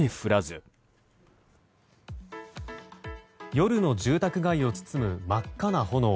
夜の住宅街を包む真っ赤な炎。